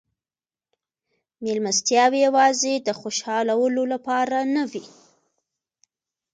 مېلمستیاوې یوازې د خوشحالولو لپاره نه وې.